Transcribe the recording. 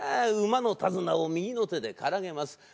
馬の手綱を右の手でからげます。